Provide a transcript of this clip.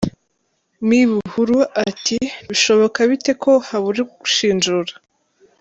Me Buhuru ati : “Bishoboka bite ko habura ushinjura ?